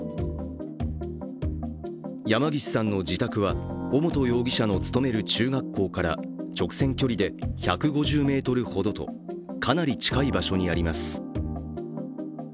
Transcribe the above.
山岸さんの自宅は尾本容疑者の勤める中学校から直線距離で１５０ｍほどとかなり近い場所にあります。